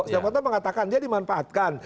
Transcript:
stiano fanto mengatakan dia dimanfaatkan